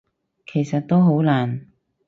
其實都好難